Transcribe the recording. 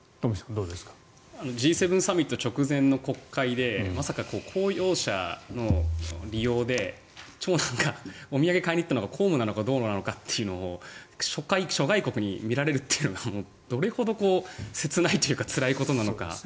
Ｇ７サミット直前の国会でまさか公用車の利用で長男がお土産に買いに行ったのが公務なのかどうなのかっていうのを諸外国に見られるっていうのがどれほど切ないというかつらいことなのか。